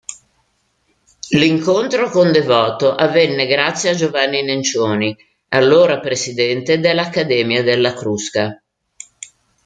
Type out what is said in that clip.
L'incontro con Devoto avvenne grazie a Giovanni Nencioni, allora presidente dell'Accademia della Crusca.